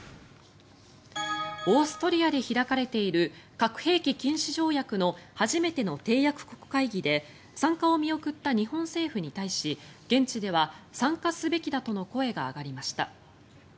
オーストリアで開かれている核兵器禁止条約の初めての締約国会議で参加を見送った日本政府に対し現地では、参加すべきだとの声が上がりました。